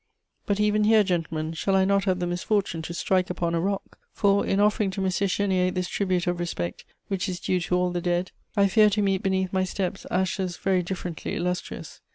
But even here, gentlemen, shall I not have the misfortune to strike upon a rock? For, in offering to M. Chénier this tribute of respect which is due to all the dead, I fear to meet beneath my steps ashes very differently illustrious.